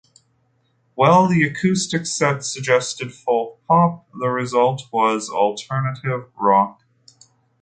While the acoustic set suggested folk pop, the result was alternative rock.